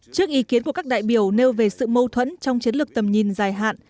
trước ý kiến của các đại biểu nêu về sự mâu thuẫn trong chiến lược tầm nhìn dài hạn